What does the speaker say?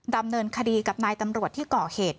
ดำเนินคดีกับนายตำรวจที่ก่อเหตุ